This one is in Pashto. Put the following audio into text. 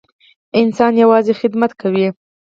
انسان یوازې خدمت کوي.